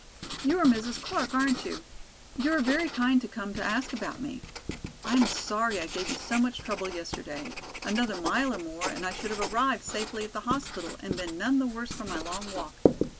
"You are Mrs. Clark aren't you? You are very kind to come to ask about me. I am sorry I gave you so much trouble yesterday; another mile or more and I should have arrived safely at the hospital and been none the worse for my long walk.